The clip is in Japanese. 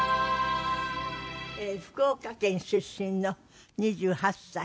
福岡県出身の２８歳。